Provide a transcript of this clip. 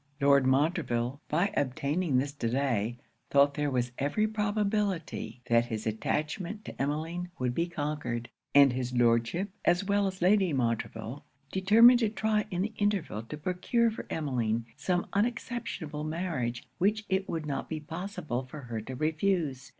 Lord Montreville, by obtaining this delay thought there was every probability that his attachment to Emmeline would be conquered. And his Lordship, as well as Lady Montreville, determined to try in the interval to procure for Emmeline some unexceptionable marriage which it would not be possible for her to refuse.